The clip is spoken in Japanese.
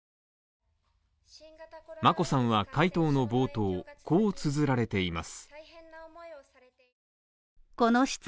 眞子さんは回答の冒頭、こうつづられています。